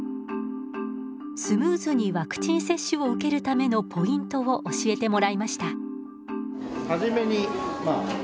スムーズにワクチン接種を受けるためのポイントを教えてもらいました。